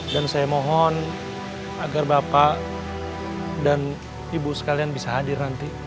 dan saya mohon agar bapak dan ibu sekalian bisa hadir nanti